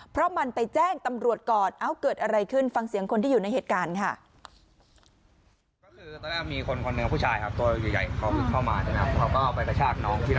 เพราะมันไปแจ้งตำรวจก่อนเอ้าเกิดอะไรขึ้นฟังเสียงคนที่อยู่ในเหตุการณ์ค่ะ